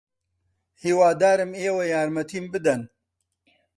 ھیوادارم ئێوە یارمەتیم بدەن.